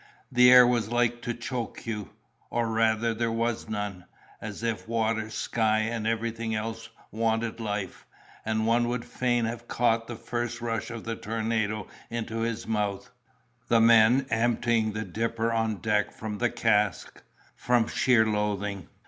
"The air was like to choke you—or rather there was none—as if water, sky, and everything else wanted life, and one would fain have caught the first rush of the tornado into his mouth—the men emptying the dipper on deck from the cask, from sheer loathing.